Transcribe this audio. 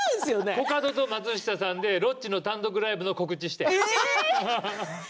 コカドと松下さんでロッチの単独ライブを告知したん。